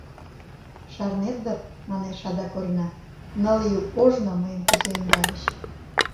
— Шарнет дыр, — манеш адак Орина, — ныл ий ожно мыйым кузе ӧндальыч...